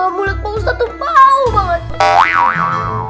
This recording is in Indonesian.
mulut pengusaha tuh bau banget